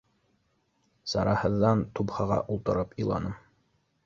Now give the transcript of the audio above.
Сараһыҙҙан, тупһаға ултырып иланым.